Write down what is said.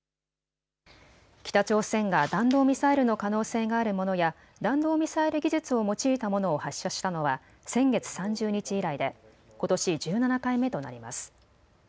北朝鮮が弾道ミサイルの可能性があるものや弾道ミサイル技術を用いたものを発射したのは先月３０日以来でことし１７回目となります。